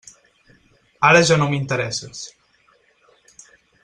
Ara ja no m'interesses.